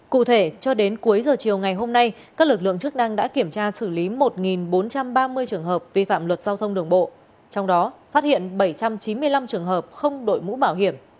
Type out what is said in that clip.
cụ thể cho đến cuối giờ chiều ngày hôm nay các lực lượng chức năng đã kiểm tra xử lý một bốn trăm ba mươi trường hợp vi phạm luật giao thông đường bộ